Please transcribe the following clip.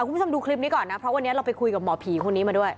คุณผู้ชมดูคลิปนี้ก่อนนะเพราะวันนี้เราไปคุยกับหมอผีคนนี้มาด้วย